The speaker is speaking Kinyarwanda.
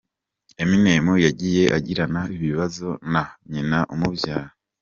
Eminem yagiye agirana ibibazo na nyina umubyara.